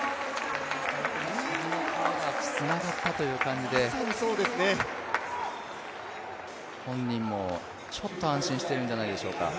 つながったという感じで本人もちょっと安心しているんじゃないでしょうか。